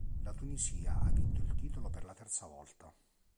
La Tunisia ha vinto il titolo per la terza volta.